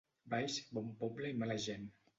Valls, bon poble i mala gent.